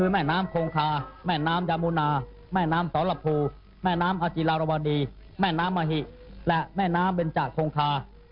แม่น้ำโคงคาแม่น้ำยามูนาแม่น้ำสรภูแม่น้ำอาจิรารวดีแม่น้ำมหิและแม่น้ำเบนจาโคงคา